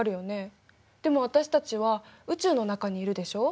でも私たちは宇宙の中にいるでしょ。